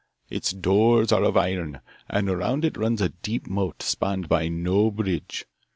Its doors are of iron, and round it runs a deep moat, spanned by no bridge.